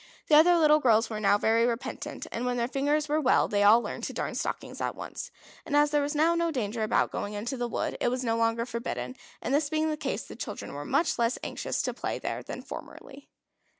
The other little girls were now very repentant; and when their fingers were well, they all learned to darn stockings at once. And as there was now no danger about going into the wood, it was no longer forbidden. And this being the case, the children were much less anxious to play there than formerly.